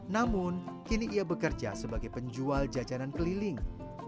namun kini ia bekerja sebagai penjual jajanan keliling